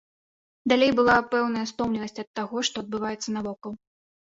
Далей была пэўная стомленасць ад таго, што адбываецца навокал.